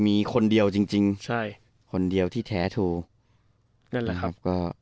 มีคนเดียวจริงจริงใช่คนเดียวที่แท้ถูกนั่นแหละครับก็